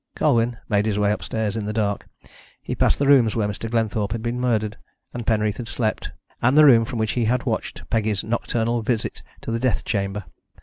Colwyn made his way upstairs in the dark. He passed the rooms where Mr. Glenthorpe had been murdered and Penreath had slept, and the room from which he had watched Peggy's nocturnal visit to the death chamber.